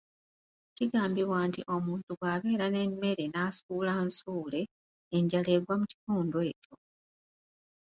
Kigambibwa nti omuntu bw'abeera n'emmere n'asuula nsuule, enjala egwa mu kitundu ekyo.